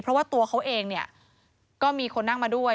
เพราะว่าตัวเขาเองเนี่ยก็มีคนนั่งมาด้วย